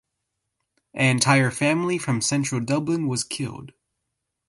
An entire family from central Dublin was killed.